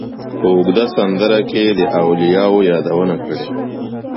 په اوږده سندره کې یې د اولیاوو یادونه کړې.